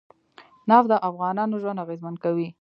نفت د افغانانو ژوند اغېزمن کوي.